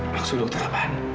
maksud dokter apaan